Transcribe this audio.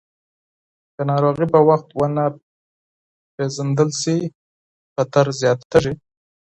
که ناروغي په وخت ونه پیژندل شي، خطر زیاتېږي.